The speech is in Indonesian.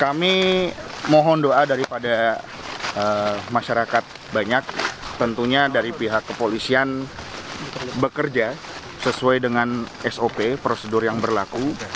kami mohon doa daripada masyarakat banyak tentunya dari pihak kepolisian bekerja sesuai dengan sop prosedur yang berlaku